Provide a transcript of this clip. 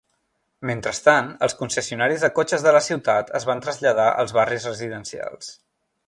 Mentrestant, els concessionaris de cotxes de la ciutat es van traslladar als barris residencials.